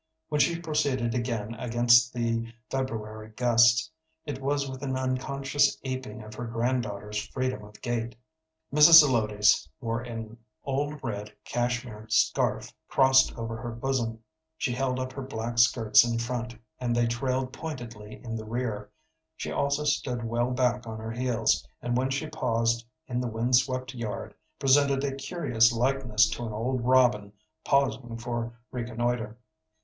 When she proceeded again against the February gusts, it was with an unconscious aping of her granddaughter's freedom of gait. Mrs. Zelotes wore an old red cashmere scarf crossed over her bosom; she held up her black skirts in front, and they trailed pointedly in the rear; she also stood well back on her heels, and when she paused in the wind swept yard presented a curious likeness to an old robin pausing for reconnoitre.